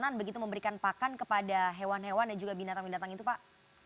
bagaimana begitu memberikan pakan kepada hewan hewan dan juga binatang binatang itu pak